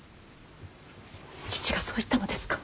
父がそう言ったのですか。